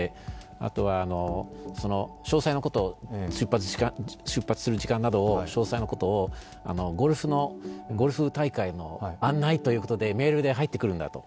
あとは、出発する時間など詳細なことをゴルフ大会の案内ということで、メールに入ってくるんだと。